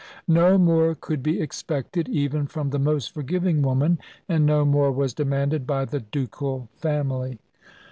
No more could be expected, even from the most forgiving woman, and no more was demanded by the ducal family.